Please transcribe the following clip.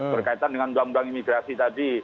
berkaitan dengan undang undang imigrasi tadi